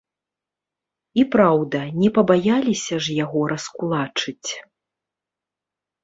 І праўда, не пабаяліся ж яго раскулачыць.